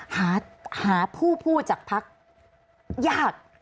หาผู้พูดจากภักดิ์ยาก